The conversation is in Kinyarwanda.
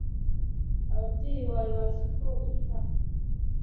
Ababyeyi bawe bazi ko uri hano?